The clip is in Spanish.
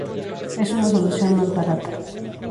Es una solución más barata.